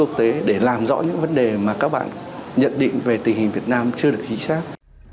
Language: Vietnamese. quốc tế để làm rõ những vấn đề mà các bạn nhận định về tình hình việt nam chưa được chính xác